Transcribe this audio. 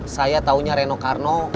saya taunya reno karno